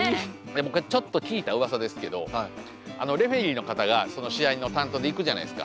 でもちょっと聞いたうわさですけどレフェリーの方がその試合の担当で行くじゃないですか。